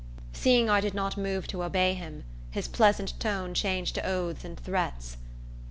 Seeing I did not move to obey him, his pleasant tone changed to oaths and threats.